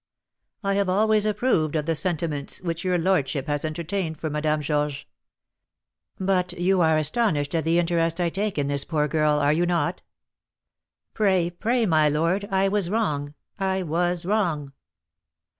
"I have always approved of the sentiments which your lordship has entertained for Madame Georges." "But you are astonished at the interest I take in this poor girl, are you not?" "Pray, pray, my lord, I was wrong; I was wrong."